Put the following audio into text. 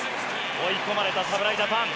追い込まれた侍ジャパン。